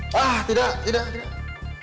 wah tidak tidak tidak